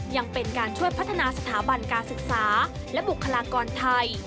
ยังเป็นการช่วยพัฒนาสถาบันการศึกษาและบุคลากรไทย